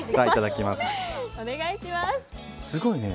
すごいね。